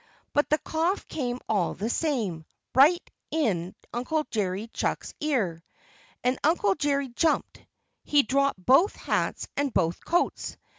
But the cough came all the same, right in Uncle Jerry Chuck's ear. And Uncle Jerry jumped. He dropped both hats and both coats.